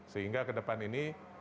sehingga ke depan ini